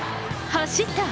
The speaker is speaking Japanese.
走った。